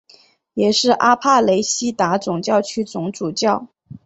也是阿帕雷西达总教区总主教。